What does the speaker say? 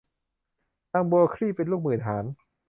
นางบัวคลี่เป็นลูกหมื่นหาญ